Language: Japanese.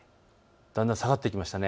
だんだん下がっていきました。